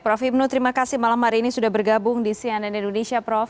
prof ibnu terima kasih malam hari ini sudah bergabung di cnn indonesia prof